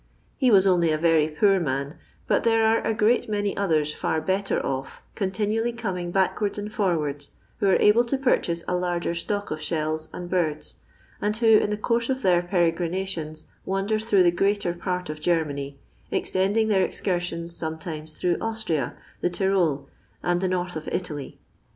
Ha was onlT a very poor man, bat there are a great many others fu better oS, continually taaung badt* wards and forwards, who are able to pavnasa a larger stock of shells and birds^ and who, in the course of their peregrinations, wander thnmgh the greater part of Gvmany, eztendinff thair «ia» sions sometimes through Austria^ the Tyrol, and the north of Italy.